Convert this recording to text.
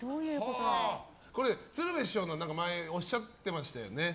鶴瓶師匠のこと前、おっしゃっていましたよね。